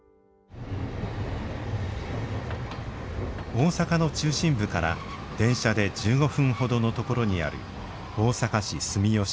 大阪の中心部から電車で１５分ほどのところにある大阪市住吉区。